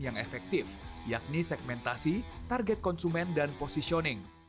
yang efektif yakni segmentasi target konsumen dan positioning